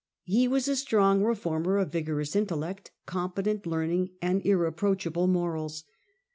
He was a strong reformer, of vigorous intellect, competent learning, and irreproachable morals.